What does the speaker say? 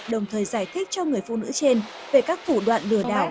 đồng thời giải thích cho người phụ nữ trên về các thủ đoạn lừa đảo